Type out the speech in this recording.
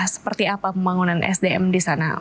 seperti apa pembangunan sdm di sana